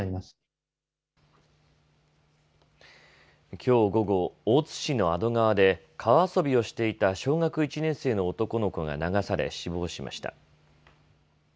きょう午後、大津市の安曇川で、川遊びをしていた小学１年生の男の子が流され、死亡しました。